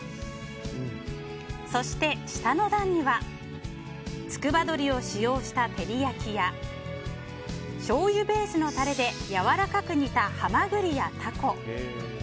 そして下の段にはつくば鶏を使用した照り焼きやしょうゆベースのタレでやわらかく煮たハマグリやタコ。